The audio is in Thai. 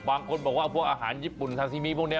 บางคนบอกว่าพวกอาหารญี่ปุ่นทาซิมิพวกนี้